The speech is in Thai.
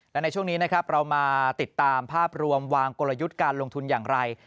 และในช่วงนี้นะครับเรามาติดตามภาพรวมวางกลยุทธ์การลงทุนอย่างไร